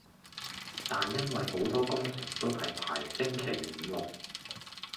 但因為好多工程都係排星期五六